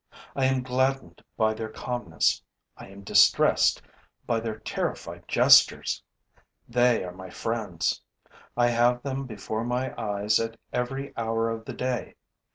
I am gladdened by their calmness; I am distressed by their terrified gestures. They are my friends. I have them before my eyes at every hour of the day.